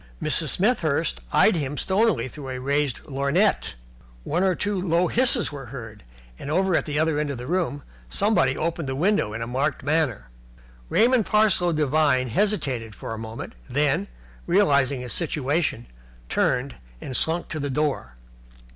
Mrs. Smethurst eyed him stonily through a raised lorgnette. One or two low hisses were heard, and over at the other end of the room somebody opened the window in a marked manner. Raymond Parsloe Devine hesitated for a moment, then, realizing his situation, turned and slunk to the door.